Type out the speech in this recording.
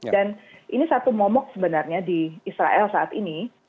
dan ini satu momok sebenarnya di israel saat ini